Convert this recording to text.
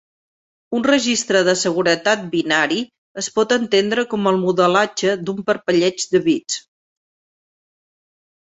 Un registre de seguretat binari es pot entendre com el modelatge d'un parpelleig de bits.